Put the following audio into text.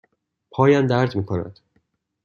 پایم درد می کند.